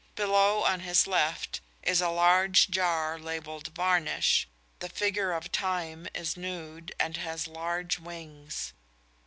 Below, on his left, is a large jar labelled "Varnish." The figure of Time is nude and has large wings.